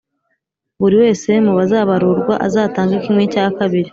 Buri wese mu bazabarurwa azatange kimwe cya kabiri